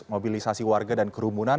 mobilisasi warga dan kesehatan